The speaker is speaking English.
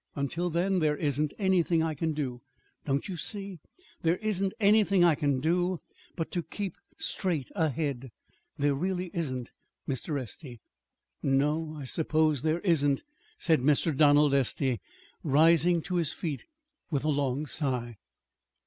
Until then, there isn't anything I can do don't you see? there isn't anything I can do but to keep straight ahead. There really isn't, Mr. Estey." "No, I suppose there isn't," said Mr. Donald Estey, rising to his feet with a long sigh.